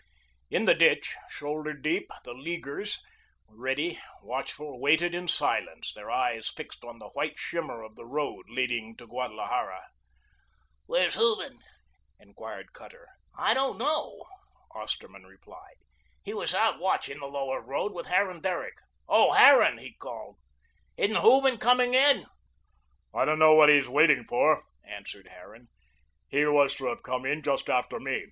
In the ditch, shoulder deep, the Leaguers, ready, watchful, waited in silence, their eyes fixed on the white shimmer of the road leading to Guadalajara. "Where's Hooven?" enquired Cutter. "I don't know," Osterman replied. "He was out watching the Lower Road with Harran Derrick. Oh, Harran," he called, "isn't Hooven coming in?" "I don't know what he is waiting for," answered Harran. "He was to have come in just after me.